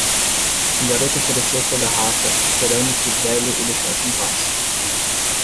O garoto ofereceu sua garrafa, esperando que o velho o deixasse em paz.